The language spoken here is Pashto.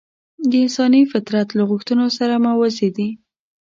د انساني فطرت له غوښتنو سره موازي دي.